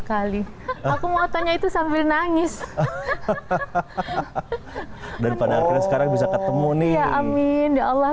kali aku mau tanya itu sampai nangis hahaha namanya sekarang bisa ketemu nih amin ya allah